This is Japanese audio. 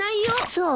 そう。